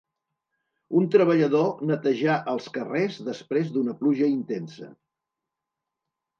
Un treballador netejar els carrers després d'una pluja intensa.